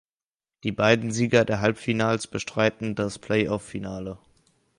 Die beiden Sieger der Halbfinals bestreiten das Playoff-Finale.